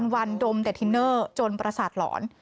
วันดมเดทินเนอร์จนประสาทหลอน